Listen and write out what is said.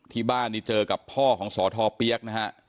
ที่บ้านนี่เจอกับพ่อของสทเปี๊ยกนะฮะ